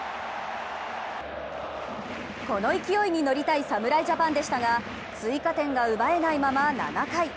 この勢いに乗りたい侍ジャパンでしたが追加点が奪えないまま７回。